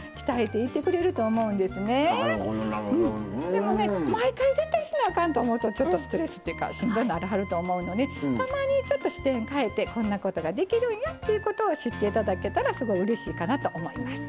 でもね毎回絶対しなあかんと思うとちょっとストレスっていうかしんどならはると思うのでたまにちょっと視点変えてこんなことができるんやっていうことを知って頂けたらすごいうれしいかなと思います。